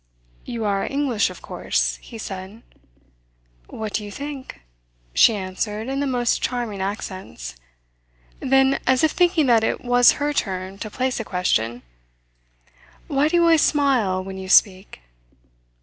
"You are English, of course?" he said. "What do you think?" she answered in the most charming accents. Then, as if thinking that it was her turn to place a question: "Why do you always smile when you speak?"